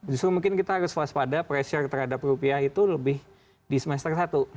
justru mungkin kita harus waspada pressure terhadap rupiah itu lebih di semester satu